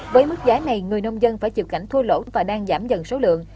với mức giá này người nông dân phải chịu cảnh thua lỗ và đang giảm dần số lượng